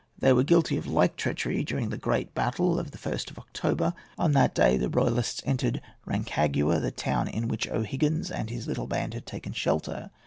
They were guilty of like treachery during the great battle of the 1st of October. On that day the royalists entered Rancagua, the town in which O'Higgins and his little band had taken shelter.